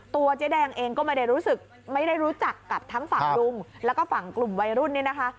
ตัวเจ๊แดงเองก็ไม่ได้รู้จักกับทั้งฝั่งลุงแล้วก็ฝั่งกลุ่มวัยรุ่นนี้นะคะ